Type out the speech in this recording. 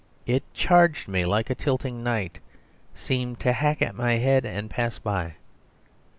It charged me like a tilting knight, seemed to hack at my head, and pass by.